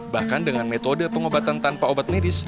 bahkan dengan metode pengobatan tanpa obat medis